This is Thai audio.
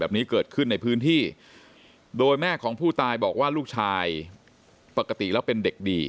แบบนี้เกิดขึ้นในพื้นที่โดยแม่ของผู้ตายบอกว่าลูกชายปกติแล้วเป็นเด็กดี